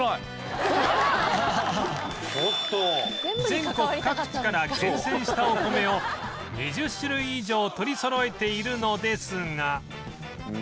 全国各地から厳選したお米を２０種類以上取りそろえているのですが